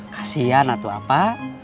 kasian atau apa